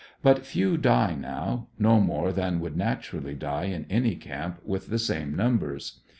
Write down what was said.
But few die now; no more than would naturally die in any camp with the same numbers.